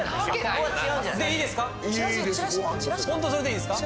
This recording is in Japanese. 本当にそれでいいですか？